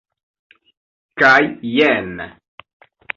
Kaj jen.